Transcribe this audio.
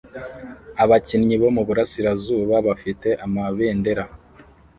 Ababyinnyi bo mu burasirazuba bafite amabendera